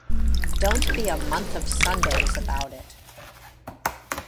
Don't be a month of Sundays about it.